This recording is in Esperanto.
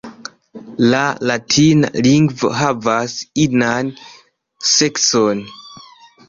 La latina lingvo havas inan sekson.